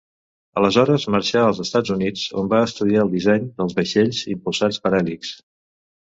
Aleshores marxà als Estats Units, on va estudiar el disseny dels vaixells impulsats per hèlix.